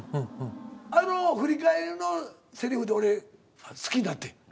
あの振り返りのセリフで俺好きになってん。